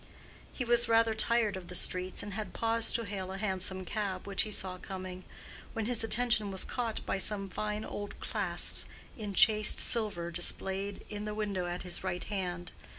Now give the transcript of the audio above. He was rather tired of the streets and had paused to hail a hansom cab which he saw coming, when his attention was caught by some fine old clasps in chased silver displayed in the window at his right hand.